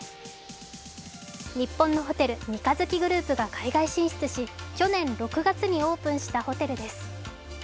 日本のホテル・三日月グループが海外進出し去年６月にオープンしたホテルです